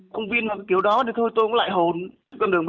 không viên vào kiểu đó thì thôi tôi cũng lại hồn